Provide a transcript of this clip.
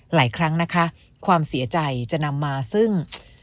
หลายครั้งนะคะความเสียใจจะนำมาซึ่ง